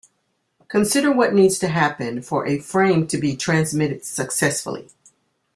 Consider what needs to happen for a frame to be transmitted successfully.